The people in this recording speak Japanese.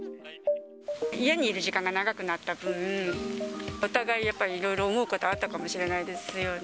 家にいる時間が長くなった分、お互い、やっぱりいろいろ思うことあったかもしれないですよね。